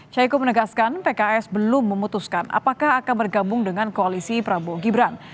syahiku menegaskan pks belum memutuskan apakah akan bergabung dengan koalisi prabowo gibran